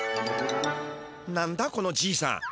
なんだこのじいさん。